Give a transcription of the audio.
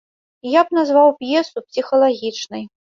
Я б назваў п'есу псіхалагічнай.